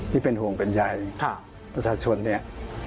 ที่เป็นห่วงเป็นใยประชาชนเนี่ย